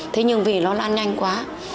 thế nhưng vì nó lan nhanh quá